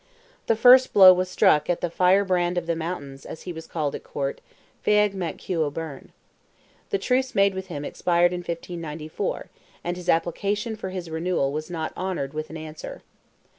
The first blow was struck at "the firebrand of the mountains," as he was called at Court, Feagh Mac Hugh O'Byrne. The truce made with him expired in 1594, and his application for his renewal was not honoured with an answer.